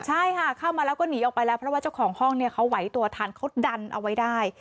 ใช่ค่ะเข้ามาแล้วก็หนีออกไปแล้วเพราะว่าเจ้าของห้องเนี่ยเขาไหวตัวทันเขาดันเอาไว้ได้